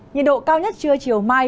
nhà độ cao nhất trưa chiều mai